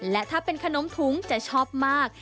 และถ้าเป็นขนมถุงจะชอบมาก